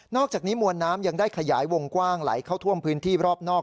อกจากนี้มวลน้ำยังได้ขยายวงกว้างไหลเข้าท่วมพื้นที่รอบนอก